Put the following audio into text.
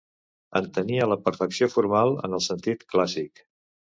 Entenia la perfecció formal en el sentit clàssic.